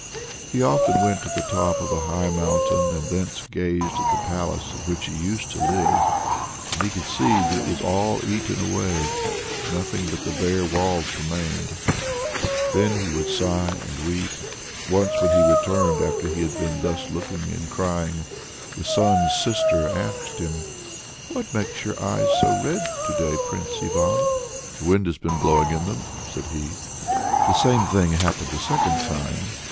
He often went to the top of a high mountain, and thence gazed at the palace in which he used to live, and he could see that it was all eaten away; nothing but the bare walls remained! Then he would sigh and weep. Once when he returned after he had been thus looking and crying, the Sun's Sister asked him: "What makes your eyes so red to day, Prince Ivan?" "The wind has been blowing in them," said he. The same thing happened a second time.